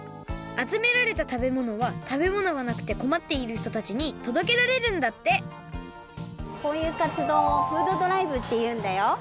あつめられた食べ物は食べ物がなくてこまっているひとたちにとどけられるんだってこういうかつどうをフードドライブっていうんだよ。